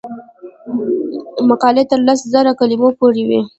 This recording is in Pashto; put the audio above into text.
مقالې تر لس زره کلمو پورې وي.